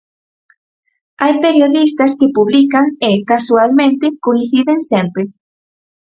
Hai periodistas que publican e, casualmente, coinciden sempre.